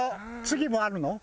次もあるの？